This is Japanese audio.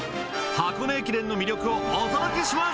箱根駅伝の魅力をお届けします。